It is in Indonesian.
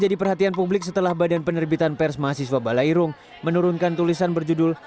perhatian publik setelah badan penerbitan pers mahasiswa balairung menurunkan tulisan berjudul